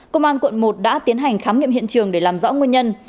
công an quận một đã tiến hành khám nghiệm hiện trường để làm rõ nguyên nhân